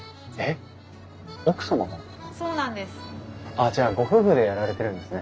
あっじゃあご夫婦でやられてるんですね。